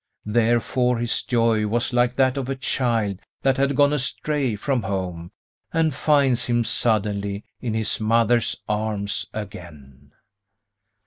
Therefore his joy was like that of a child that had gone astray from home, and finds him suddenly in his mother's arms again.